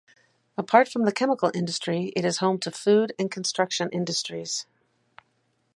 Apart from the chemical industry it is home to food and construction industries.